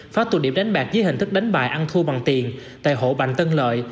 phá tụ điểm đánh bạc dưới hình thức đánh bạc ăn thua bằng tiền tại hộ bạch tân lợi